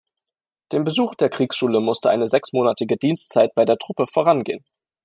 Dem Besuch der Kriegsschule musste eine sechsmonatige Dienstzeit bei der Truppe vorangehen.